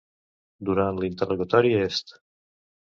Durant l'interrogatori est